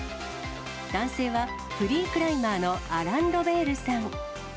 男性は、フリークライマーのアラン・ロベールさん。